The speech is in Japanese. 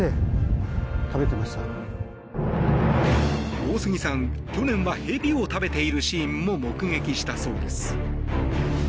大杉さん、去年はヘビを食べているシーンも目撃したそうです。